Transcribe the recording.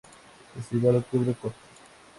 Festival Octubre Corto